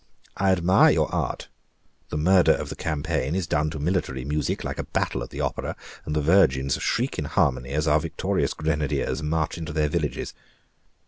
"I admire your art: the murder of the campaign is done to military music, like a battle at the opera, and the virgins shriek in harmony, as our victorious grenadiers march into their villages.